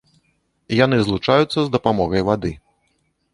Яны злучаюцца з дапамогай вады.